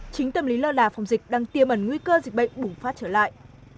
chính tâm lý lơ là phòng dịch đang tiêm ẩn nguy cơ dịch bệnh bùng phát trở lại